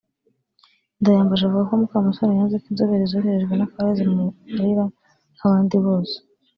Ndayambaje avuga ko Mukamusoni yanze ko inzobere zoherejwe n’Akarere zimubarira nk’abandi bose